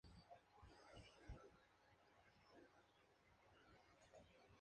En contraste con la gran cantidad de diarrea que es típica de la gastroenteritis.